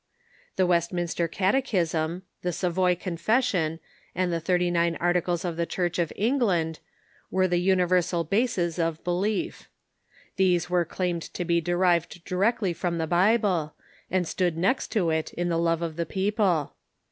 The West minster Catechism, the Savoy Confession, and the Thirty nine Articles of the Church of England were the universal bases of belief. These were claimed to be derived directly from the Bible, and stood next to it in the love of the people.